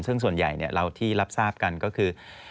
ซึ่งส่วนใหญ่เราที่รับทราบกันก็คือ